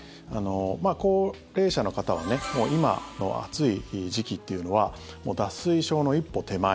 高齢者の方は今の暑い時期っていうのは脱水症の一歩手前。